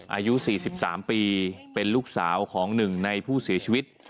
อายุ๔๓ปีเป็นลูกสาวของหนึ่งในผู้เสียชีวิต